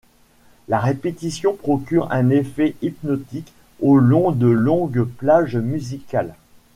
La répétition procure un effet hypnotique au long de longues plages musicales.